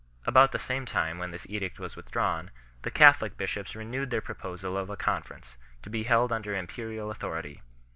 About the same time when this edict was withdrawn, the Catholic bishops renewed their proposal of a con ference, to be held under imperial authority.